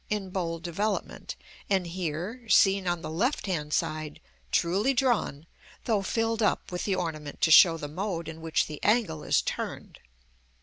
in bold development, and here seen on the left hand side, truly drawn, though filled up with the ornament to show the mode in which the angle is turned.